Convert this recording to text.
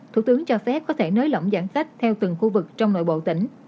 thủ tướng cho phép có thể nới lỏng giãn cách theo từng khu vực trong nội bộ tỉnh